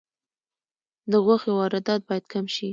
د غوښې واردات باید کم شي